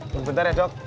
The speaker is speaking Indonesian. bentar ya dok